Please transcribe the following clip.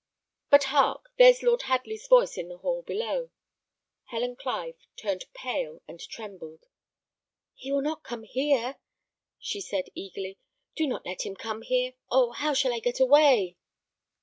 But, hark! there's Lord Hadley's voice in the hall below." Helen Clive turned pale and trembled. "He will not come here?" she said, eagerly. "Do not let him come here. Oh! how shall I get away?"